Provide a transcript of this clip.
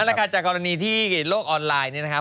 แล้วกันจากกรณีที่โลกออนไลน์เนี่ยนะครับ